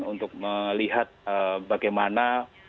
untuk melihat bagaimana